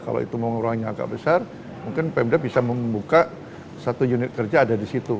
kalau itu mengurangi angka besar mungkin pemda bisa membuka satu unit kerja ada di situ